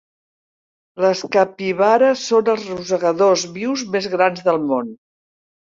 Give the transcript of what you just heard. Les capibares són els rosegadors vius més grans del món.